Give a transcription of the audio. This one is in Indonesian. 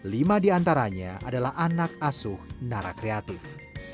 lima di antaranya adalah anak asuh narak kreatif